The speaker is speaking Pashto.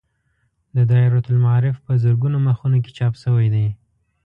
دا دایرة المعارف په زرګونو مخونو کې چاپ شوی دی.